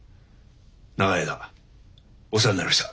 長い間お世話になりました。